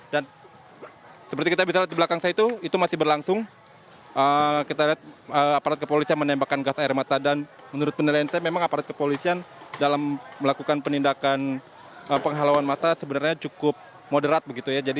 dan seperti kita bisa lihat di belakang saya itu itu masih berlangsung kita lihat aparat kepolisian menembakkan gas air mata dan menurut penilaian saya memang aparat kepolisian dalam melakukan penindakan penghalauan mata sebenarnya cukup moderat begitu ya